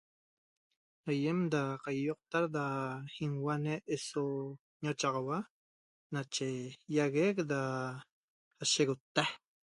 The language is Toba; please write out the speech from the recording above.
Aýem da qaýoqta da ñauane' eso ñauochaua nache ýaguec da sashegota